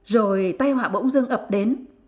rồi tay họa bỗng dưng ập đến